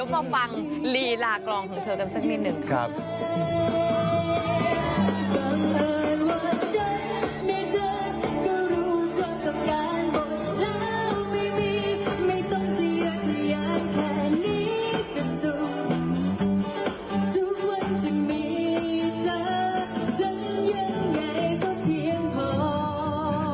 ว่าจะอยากแผ่นนี้ก็สุดทุกวันจะมีเธอฉันยังไงก็เพียงพอ